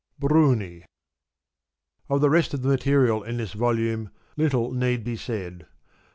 Bruni. — Of the rest of the material in this volume ziL little need be said.